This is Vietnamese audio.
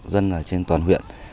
dân là trên toàn huyện